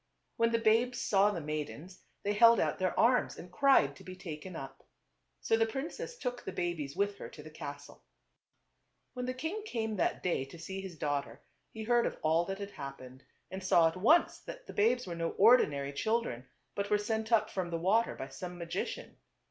When the babes saw the maidens they held out their arms and cried to be taken up. So the princess took the babies with her to the castle. When the king came that day to see his daugh ter he heard of all that had happened, and saw at once that the babes were no ordinary children, but were sent up from the water by some magi cian.